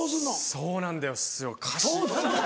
そうなんだよすよ。